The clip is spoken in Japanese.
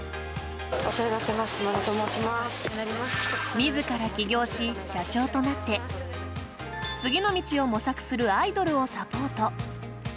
自ら起業し社長となって次の道を模索するアイドルをサポート。